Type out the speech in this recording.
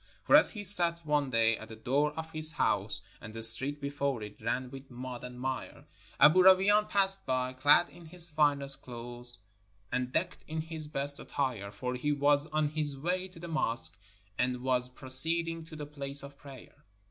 For as he sat one day at the door of his house and the street before it ran with mud and mire, Aboo Rawain passed by, clad in his finest clothes and decked in his best attire, for he was on his v/ay to the mosque, and was proceeding to the place of prayer.